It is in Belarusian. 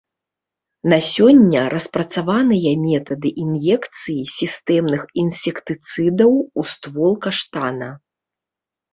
На сёння распрацаваныя метады ін'екцыі сістэмных інсектыцыдаў у ствол каштана.